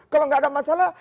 kalau gak ada masalah